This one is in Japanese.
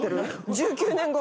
１９年後？